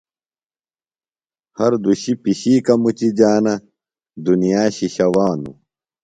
ہر دُشی پِشِیکہ مُچِجانہ۔ دنیا شِشہ وانوۡ۔